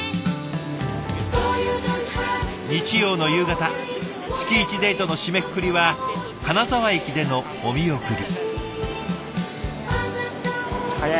日曜の夕方月１デートの締めくくりは金沢駅でのお見送り。